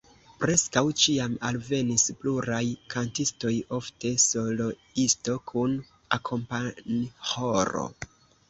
Preskaŭ ĉiam alvenas pluraj kantistoj, ofte soloisto kun akompanĥoro.